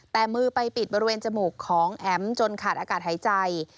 แต่มือไปปิดบริเวณจมูกของแอ๋มจนขาดอากาศหายใจ